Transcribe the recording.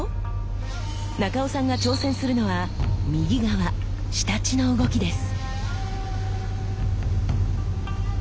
中尾さんが挑戦するのは右側仕太刀の動きです。